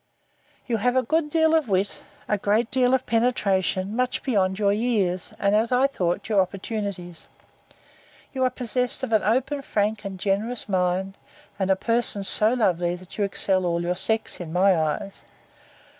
You have a good deal of wit, a great deal of penetration, much beyond your years, and, as I thought, your opportunities. You are possessed of an open, frank, and generous mind; and a person so lovely, that you excel all your sex, in my eyes.